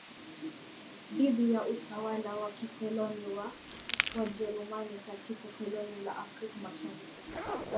dhidi ya utawala wa kikoloni wa wajerumani katika koloni la Afrika Mashariki